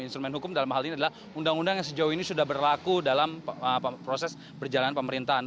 instrumen hukum dalam hal ini adalah undang undang yang sejauh ini sudah berlaku dalam proses berjalanan pemerintahan